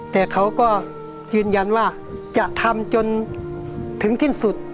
แต่เขาก็ยืนยันว่าจะทำจนถึงสิ้นสุด